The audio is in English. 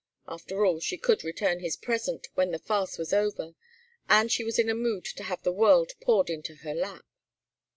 After all, she could return his present when the farce was over, and she was in a mood to have the world poured into her lap.